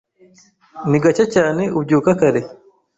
Ni gake cyane ubyuka kare.